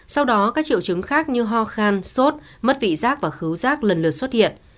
sau đó các triệu chứng khác như ho khan sốt mất vị giác và cứu rác lần lượt xuất hiện